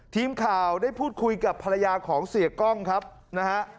ทีมข่าวได้พูดคุยกับภรรยาของเสียกล้องครับนะฮะ